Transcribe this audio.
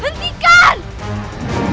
kerajaan ini tidak berguna